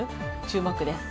注目です。